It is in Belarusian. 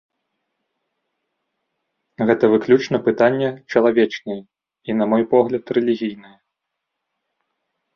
Гэта выключна пытанне чалавечнае і, на мой погляд, рэлігійнае.